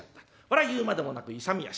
これは言うまでもなく勇み足。